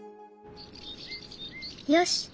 よし。